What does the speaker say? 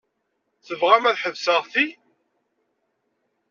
Tebɣam ad ḥesbeɣ ti?